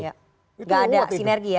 nggak ada sinergi ya